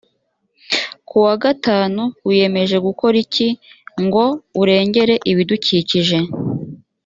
ku wa gatanu wiyemeje gukora iki ngo urengere ibidukikije